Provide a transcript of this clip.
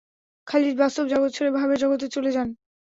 খালিদ বাস্তব জগৎ ছেড়ে ভাবের জগতে চলে যান।